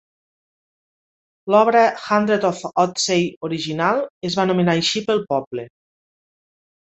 L'obra "Hundred of Odsey" original es va anomenar així pel poble.